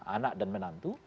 anak dan menantu